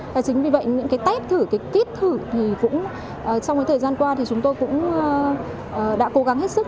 và chính vì vậy những cái test thử cái kíp thử thì cũng trong cái thời gian qua thì chúng tôi cũng đã cố gắng hết sức